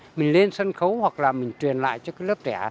sau này mình lên sân khấu hoặc là mình truyền lại cho cái lớp trẻ